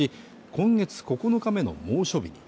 今月９日目の猛暑日